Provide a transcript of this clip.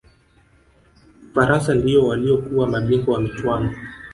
ufaransa ndiyo waliyokuwa mabingwa wa michuano